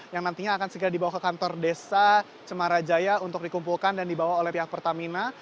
yang nantinya akan segera dibawa ke kantor desa cemarajaya untuk dikumpulkan dan dibawa oleh pihak pertamina